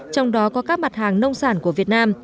trong đó có các mặt hàng nông sản của việt nam